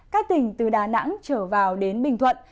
các tỉnh từ đà nẵng trở vào đến bình thuận